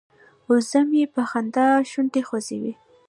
وزه مې په خندا شونډې خوځوي.